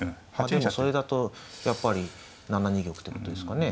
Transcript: でもそれだとやっぱり７二玉ってことですかね。